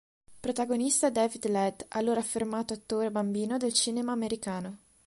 Protagonista è David Ladd, allora affermato attore bambino del cinema americano.